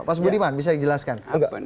pak budiman bisa dijelaskan